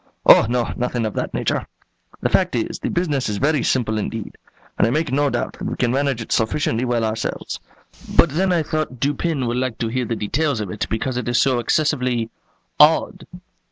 "Oh, no; nothing of that nature. The fact is, the business is very simple indeed, and I make no doubt that we can manage it sufficiently well ourselves; but then I thought Dupin would like to hear the details of it, because it is so excessively odd."